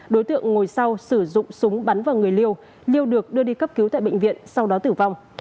đối tượng ngồi sau sử dụng súng bắn vào người liêu được đưa đi cấp cứu tại bệnh viện sau đó tử vong